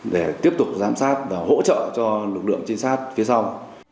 để tiếp tục giám sát và hỗ trợ cho lực lượng trinh sát phía sau